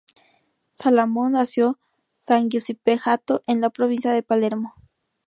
Salamone nació San Giuseppe Jato en la provincia de Palermo.